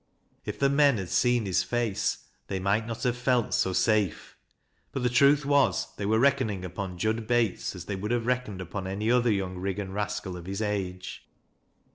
If the men had seen his face, they might not have felt so safe. But the truth was, they were reckoning upon Jud Bates as they would have reckoned upon any other young Riggan rascal of his age.